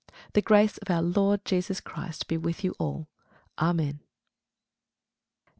The grace of our Lord Jesus Christ be with you all. Amen.